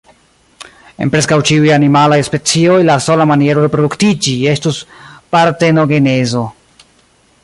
En preskaŭ ĉiuj animalaj specioj, la sola maniero reproduktiĝi estus partenogenezo!